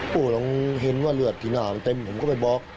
พวกเราเห็นว่าเลือดกินอ่าวมันเต็มผมก็ไปบล็อก